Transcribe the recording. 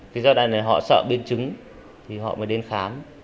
khi giai đoạn này họ sợ biên chứng thì họ mới đến khám